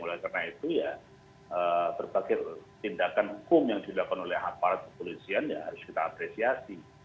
wolaj karena itu berbagai tindakan hukum yang dilakukan oleh hafal kulisian ya harus kita apresiasi